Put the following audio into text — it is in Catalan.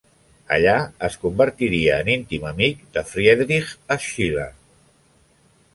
Allà es convertiria en íntim amic de Friedrich Schiller.